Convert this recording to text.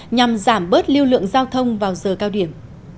nhằm giảm bớt lưu lượng giao thông vào giờ cao điểm